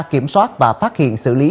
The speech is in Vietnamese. kiểm soát và phát hiện xử lý